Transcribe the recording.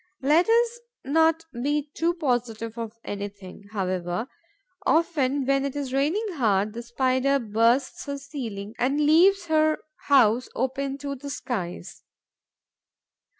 Let us not be too positive of anything, however: often, when it is raining hard, the Spider bursts her ceiling and leaves her house open to the skies.